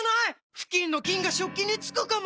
フキンの菌が食器につくかも⁉